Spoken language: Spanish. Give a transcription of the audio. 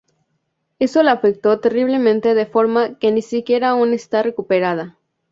Eso le afectó terriblemente de forma que ni siquiera aún está recuperada.